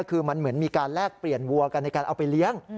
คือมันเหมือนมีการแลกเปลี่ยนวัวกันในการเอาไปเลี้ยง